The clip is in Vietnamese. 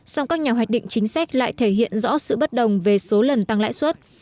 song các nhà hoạch định chính sách lại thể hiện rõ sự bất đồng về số lần tăng lãi suất